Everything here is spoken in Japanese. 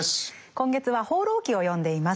今月は「放浪記」を読んでいます。